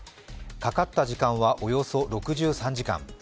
かかった時間はおよそ６３時間。